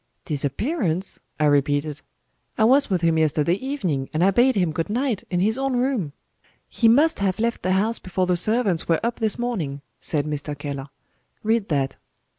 "Disappearance?" I repeated. "I was with him yesterday evening and I bade him good night in his own room." "He must have left the house before the servants were up this morning," said Mr. Keller. "Read that."